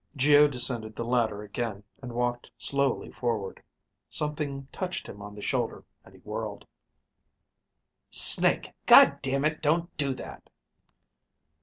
Geo descended the ladder again and walked slowly forward. Something touched him on the shoulder and he whirled. "Snake, God damn it, don't do that!"